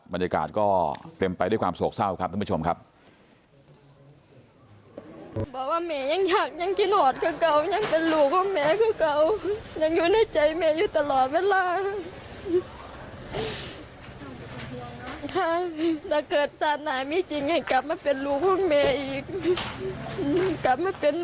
บรรยากาศก็เต็มไปด้วยความโศกเศร้าครับท่านผู้ชมครับ